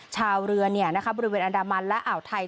ชาวเรือบริเวณอันดามันและอ่าวไทย